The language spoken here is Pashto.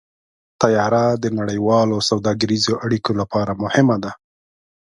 طیاره د نړیوالو سوداګریزو اړیکو لپاره مهمه ده.